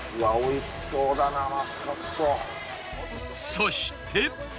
そして。